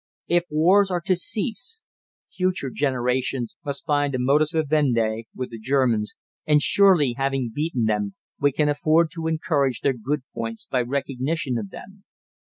If wars are to cease, future generations must find a "modus vivendi" with the Germans; and surely, having beaten them, we can afford to encourage their good points by recognition of them.